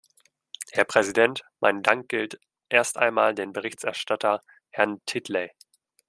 Herr Präsident, mein Dank gilt erst einmal dem Berichterstatter, Herrn Titley.